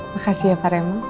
makasih ya pak remo